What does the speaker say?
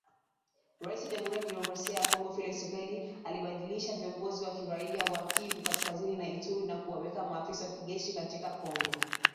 Rais wa jamuhuri ya kidemokrasia ya Kongo Felix Tshisekedi alibadilisha viongozi wa kiraia wa Kivu Kaskazini na Ituri na kuwaweka maafisa wa kijeshi katika Kongo